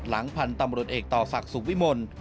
หลังพันธุ์ตำรวจเอกต่อศักดิ์สุขวิมล